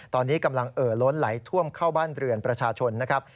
ตอนนี้กำลังเอ่อล้นไหลท่วมเข้าบ้านเรือนประชาชนนะครับ